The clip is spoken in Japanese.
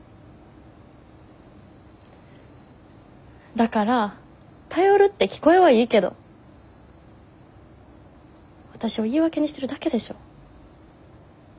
だから頼るって聞こえはいいけどわたしを言い訳にしてるだけでしょ。